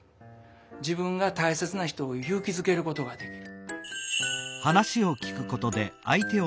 自分が大切な人を勇気づけることができる。